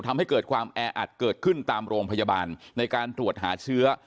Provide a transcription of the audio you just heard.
ทำให้เกิดความแออัดเกิดขึ้นตามโรงพยาบาลในการตรวจหาเชื้อ